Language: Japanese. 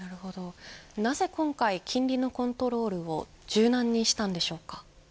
なぜ今回金利のコントロールを柔軟にしたんでしょうか。